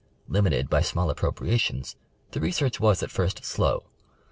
Limited by small appropriations the research was at first slow.